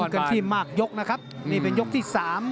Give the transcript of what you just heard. กันที่มากยกนะครับนี่เป็นยกที่๓